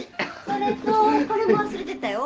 それとこれも忘れてったよ。